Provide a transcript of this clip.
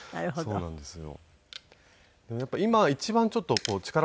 そうなんですよ。